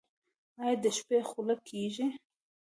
ایا د شپې خوله کیږئ؟